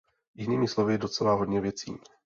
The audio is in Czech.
Jinými slovy, docela hodně věcí!